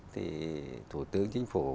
thì thủ tướng chính phủ